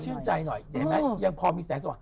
ค่อยชื่นใจหน่อยเห็นไหมยังพอมีแสนสิวะ